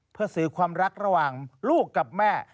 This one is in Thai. เพื่อสื่อความรักระหว่างลูกกับแม่